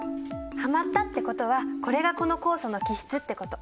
はまったってことはこれがこの酵素の基質ってこと。